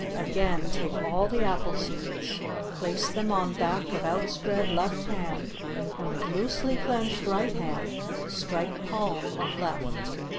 Again, take all the apple seeds, place them on back of outspread left hand and with loosely clenched right hand strike palm of left.